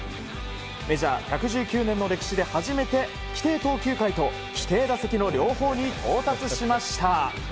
メジャー１１９年の歴史で初めて規定投球回と規定打席の両方に到達しました。